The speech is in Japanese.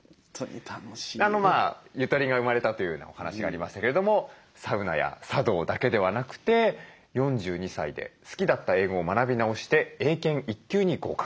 ゆとりが生まれたというようなお話がありましたけれどもサウナや茶道だけではなくて４２歳で好きだった英語を学び直して英検１級に合格。